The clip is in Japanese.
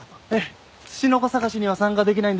ツチノコ探しには参加できないんですけど